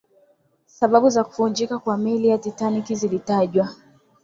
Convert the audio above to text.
sababu za kuvunjika kwa meli ya titanic zilitajwa